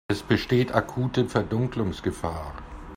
Es besteht akute Verdunkelungsgefahr.